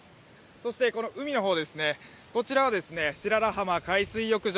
そして海の方ですね、こちらは白良浜海水浴場。